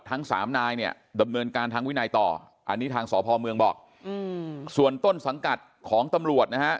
ทั้งสามนายเนี่ยดำเนินการทางวินัยต่ออันนี้ทางสพเมืองบอกส่วนต้นสังกัดของตำรวจนะฮะ